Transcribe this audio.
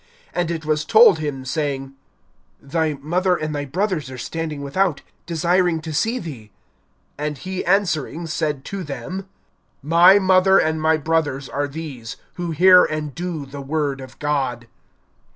(20)And it was told him, saying: Thy mother and thy brothers are standing without, desiring to see thee. (21)And he answering, said to them: My mother and my brothers are these, who hear and do the word of God.